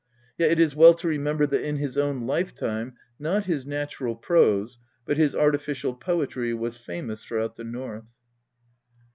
Yet it is well to remember that in his own lifetime, not his natural prose, but his artificial poetry was famous throughout the North.